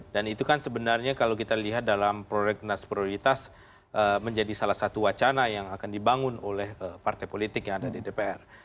dan itu kan sebenarnya kalau kita lihat dalam proyek nas prioritas menjadi salah satu wacana yang akan dibangun oleh partai politik yang ada di dpr